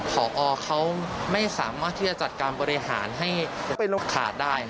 ขอออเขาไม่สามารถที่จะจัดการบริหารให้ขาดได้ครับ